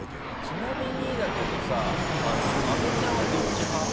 ちなみにだけどさ阿部ちゃんはどっち派？